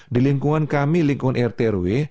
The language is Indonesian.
di lingkungan kami lingkungan rt rw